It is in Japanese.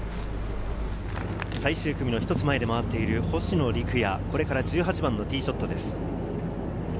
最終組の１つ前でまわっている星野陸也、これから１８番のティーショットです。